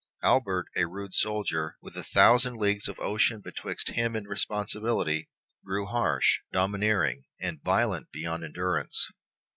Albert, a rude soldier, with a thousand leagues of ocean betwixt him and responsibility, grew harsh, domineering, and violent beyond endurance.